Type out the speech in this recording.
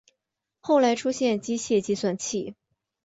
后来出现机械计算器。